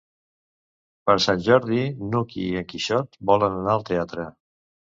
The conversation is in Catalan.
Per Sant Jordi n'Hug i en Quixot volen anar al teatre.